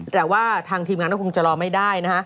แต่ว่าทางทีมงานเขาคงจะรอไม่ได้